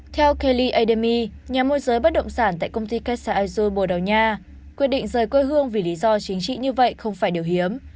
theo kelly ademy nhà môi giới bất động sản tại công ty kesi azo bồ đào nha quyết định rời quê hương vì lý do chính trị như vậy không phải điều hiếm